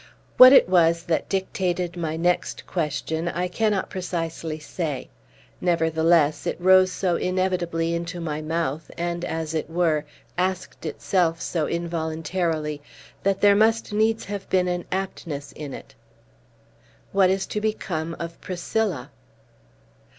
What it was that dictated my next question, I cannot precisely say. Nevertheless, it rose so inevitably into my mouth, and, as it were, asked itself so involuntarily, that there must needs have been an aptness in it. "What is to become of Priscilla?"